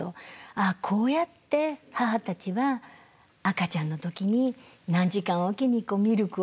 あこうやって母たちは赤ちゃんの時に何時間置きにミルクをあげて。